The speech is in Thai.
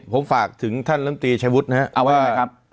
ผมฝากถึงท่านลำตีชายวุฒินะครับว่า